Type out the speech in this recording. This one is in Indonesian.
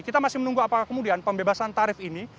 kita masih menunggu apakah kemudian pembebasan tarif ini